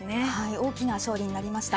大きな勝利になりました。